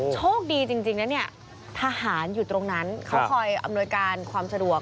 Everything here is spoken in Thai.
โชคดีจริงนะเนี่ยทหารอยู่ตรงนั้นเขาคอยอำนวยการความสะดวก